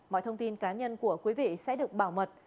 mọi thông tin cá nhân của quý vị sẽ được bảo mật